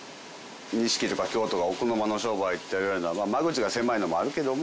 錦とか京都が奥の間の商売といわれるのは間口が狭いのもあるけども